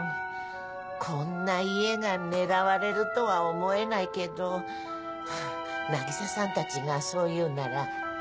こんな家が狙われるとは思えないけど渚さんたちがそう言うなら。